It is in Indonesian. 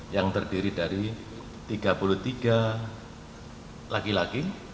yang terdiri dari tiga puluh tiga laki laki